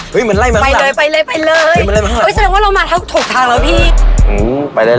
เฮ้ยเอ้ยพ้ากุ้งมาแล้ว